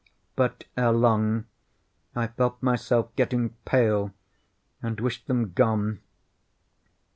But, ere long, I felt myself getting pale and wished them gone.